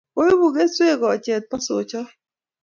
Koibu keswek kochet po sochot